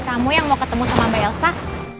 dan kamu yang mau ketemu sama mbak yelzah